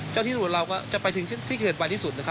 เจ้าที่ถือเราจะไปที่เกิดไหวที่สุด